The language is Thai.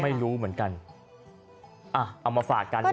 ไม่รู้เหมือนกัน